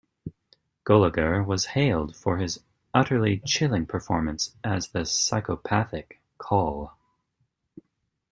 Gulager was hailed for his utterly chilling performance as the psychopathic Coll.